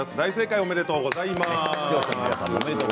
おめでとうございます。